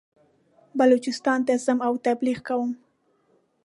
بلوچستان ته ځم او تبلیغ کوم.